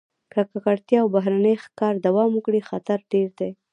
که ککړتیا او بهرني ښکار دوام وکړي، خطر ډېر دی.